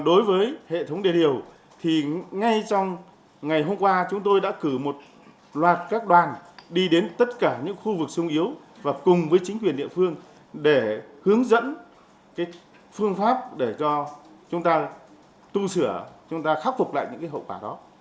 đối với hệ thống đê điều thì ngay trong ngày hôm qua chúng tôi đã cử một loạt các đoàn đi đến tất cả những khu vực sung yếu và cùng với chính quyền địa phương để hướng dẫn phương pháp để cho chúng ta tu sửa chúng ta khắc phục lại những hậu quả đó